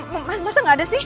masa enggak ada sih